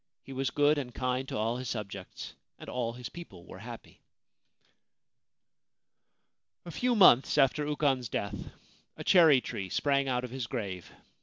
He was good and kind to all his subjects, and all his people were happy. A few months after Ukon's death, a cherry tree sprang out of his grave.